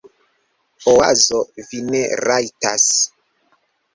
Oazo: "Vi ne rajtas."